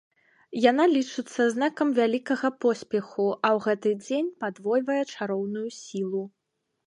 Яна лічыцца знакам вялікага поспеху, а ў гэты дзень падвойвае чароўную сілу.